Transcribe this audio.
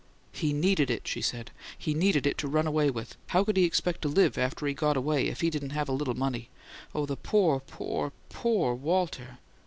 "He NEEDED it," she said. "He needed it to run away with! How could he expect to LIVE, after he got away, if he didn't have a little money? Oh, poor, poor, POOR Walter!